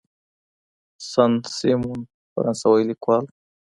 سن سیمون فرانسوي لیکوال و.